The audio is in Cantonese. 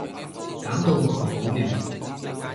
搞到我好亂